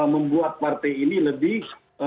membuat partai ini lebih